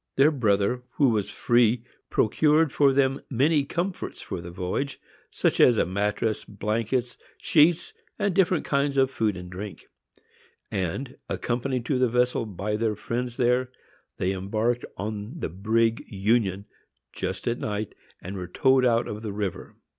Their brother who was free procured for them many comforts for the voyage, such as a mattress, blankets, sheets and different kinds of food and drink; and, accompanied to the vessel by their friends there, they embarked on the brig Union just at night, and were towed out of the river.